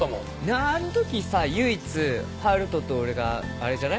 あん時さ唯一春斗と俺があれじゃない？